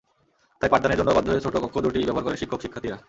তাই পাঠদানের জন্য বাধ্য হয়ে ছোট কক্ষ দুটিই ব্যবহার করেন শিক্ষক-শিক্ষার্থীরা।